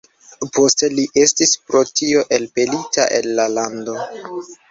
Poste li estis pro tio elpelita el la lando.